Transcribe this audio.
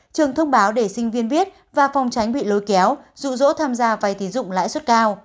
trường thông báo để sinh viên biết và phòng tránh bị lôi kéo dụ dỗ tham gia vay tín dụng lãi suất cao